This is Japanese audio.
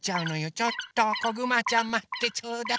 ちょっとこぐまちゃんまってちょうだい。